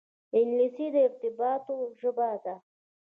انګلیسي د ارتباطاتو ژبه ده